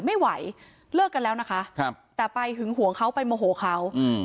ไม่ไหวเลิกกันแล้วนะคะครับแต่ไปหึงหวงเขาไปโมโหเขาอืม